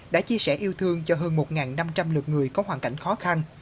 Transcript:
đã chia sẻ yêu thương cho hơn một năm trăm linh lượt người có hoàn cảnh khó khăn